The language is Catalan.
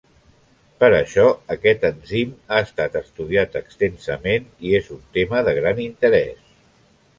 Per això, aquest enzim ha estat estudiat extensament i és un tema de gran interès.